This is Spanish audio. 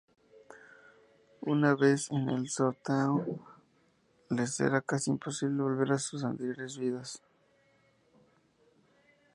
Una vez en el "sertão", les era casi imposible volver a sus anteriores vidas.